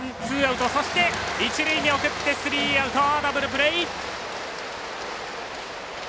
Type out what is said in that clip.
そして、一塁に送ってスリーアウト、ダブルプレー！